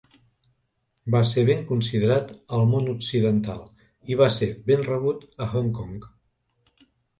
Va ser ben considerat al món occidental i va ser ben rebut a Hong Kong.